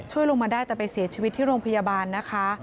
ลงมาได้แต่ไปเสียชีวิตที่โรงพยาบาลนะคะ